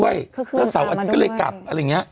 แล้วเสาร์อาทิตย์ก็เลยกลับอะไรอย่างนี้